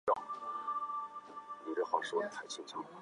棉毛黄耆是豆科黄芪属的植物。